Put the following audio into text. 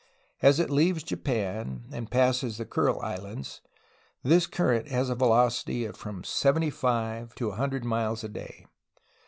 As it leaves Japan and passes the Knrile Islands this cur rent has a velocity of from seventy five to a hundred miles a day.